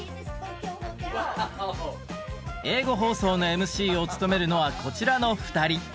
英語放送のＭＣを務めるのはこちらの２人。